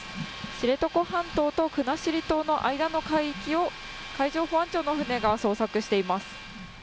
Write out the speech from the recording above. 知床半島と国後島の間の海域を海上保安庁の船が捜索しています。